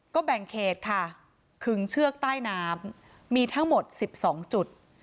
ก็แบ่งเขตค่ะขึงเชือกใต้น้ำมีทั้งหมด๑๒จุด